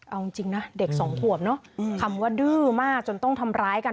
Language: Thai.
เอาจริงนะเด็กสองขวบเนอะคำว่าดื้อมากจนต้องทำร้ายกัน